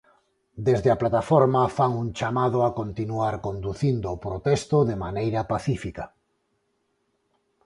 Desde a Plataforma fan un chamado a continuar conducindo o protesto de maneira pacífica.